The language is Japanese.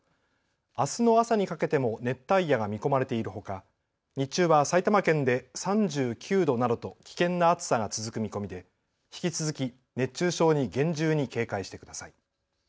あすの朝にかけても熱帯夜が見込まれているほか日中は埼玉県で３９度などと危険な暑さが続く見込みで引き続き熱中症に厳重に警戒してください。